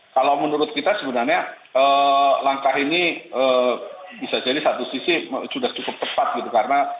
kalau menurut kita sebenarnya langkah ini bisa jadi satu sisi sudah cukup tepat gitu